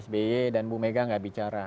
sby dan bu mega gak bicara